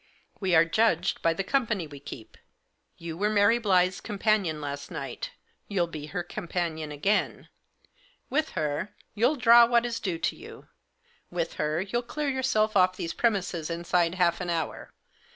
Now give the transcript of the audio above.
We are judged by the company we keep. You were Mary Blyth's companion last night ; you'll be her companion again. With her, you'll draw what is due to you ; with her, you'll clear yourself off these premises inside half an hour.